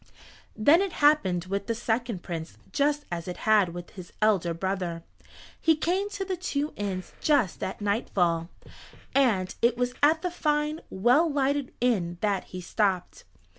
Then it happened with the second Prince just as it had with his elder brother. He came to the two inns just at nightfall, and it was at the fine well lighted inn that he stopped.